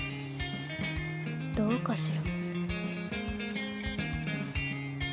どうかしら？